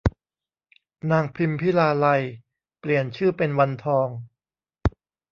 นางพิมพิลาไลยเปลี่ยนชื่อเป็นวันทอง